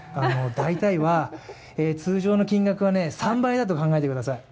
大体、通常の金額の３倍だと考えてください。